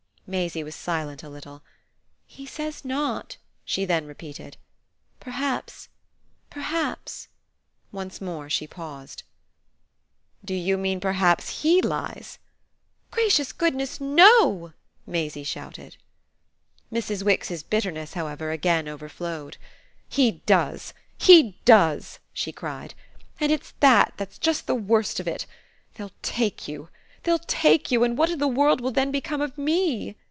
Maisie was silent a little. "He says not," she then repeated. "Perhaps perhaps " Once more she paused. "Do you mean perhaps HE lies?" "Gracious goodness, no!" Maisie shouted. Mrs. Wix's bitterness, however, again overflowed. "He does, he does," she cried, "and it's that that's just the worst of it! They'll take you, they'll take you, and what in the world will then become of me?"